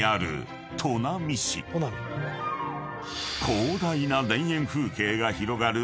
［広大な田園風景が広がる